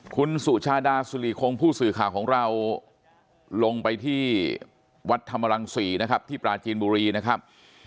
คุณสุชาดาสุริคงผู้สื่อข่าวของเราลงไปที่วัดธรรมรังศรีนะครับที่ปราจีนบุรีนะครับ